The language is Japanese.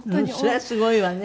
それはすごいわね。